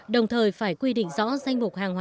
đồng thời phải quy định rõ danh mục hàng hóa